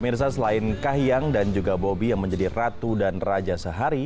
mirsa selain kahiyang dan juga bobi yang menjadi ratu dan raja sehari